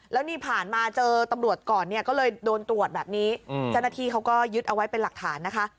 แล้วนี่ผ่านมาเจอตำรวจก่อนเนี่ยก็เลยโดนตรวจแบบนี้เจ้าหน้าที่เขาก็ยึดเอาไว้เป็นหลักฐานนะคะ